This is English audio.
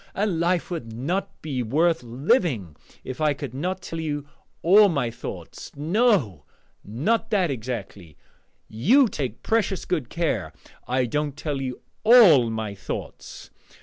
And life would not be worth living if I could not tell you all my thoughts no, not that exactly: you take precious good care I don't tell you all my thoughts!